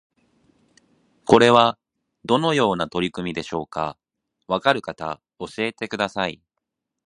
これはどのような取り組みでしょうか？わかる方教えてください